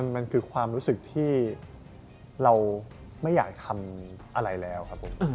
มันคือความรู้สึกที่เราไม่อยากทำอะไรแล้วครับผม